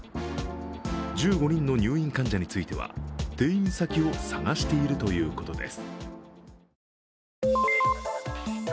１５人の入院患者については転院先を探しているということです。